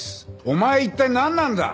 お前一体なんなんだ？